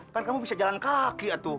kan kamu bisa jalan kaki ya tuh